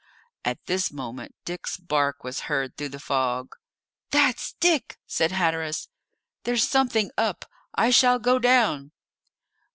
At this moment Dick's bark was heard through the fog. "That's Dick," said Hatteras; "there's something up; I shall go down."